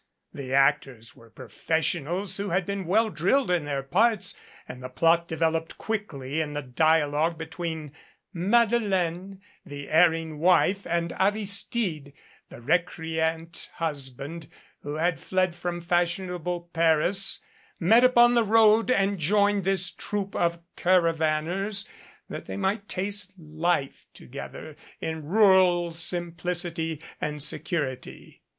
The actors were professionals who had been well drilled in their parts and the plot de veloped quickly in the dialogue between Madeleine, the erring wife, and Aristide, the recreant husband, who had fled from fashionable Paris, met upon the road and joined this troupe of Caravaners that they might taste life to gether in rural simplicity and security.